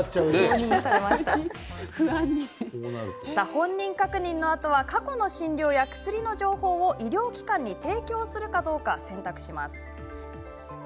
本人確認のあとは過去の診療や薬の情報を医療機関に提供するかどうか選択。